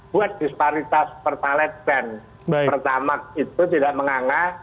buat disparitas pertalet dan pertamak itu tidak menganga